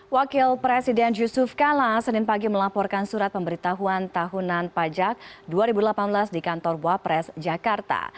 wakil presiden yusuf kala senin pagi melaporkan surat pemberitahuan tahunan pajak dua ribu delapan belas di kantor wapres jakarta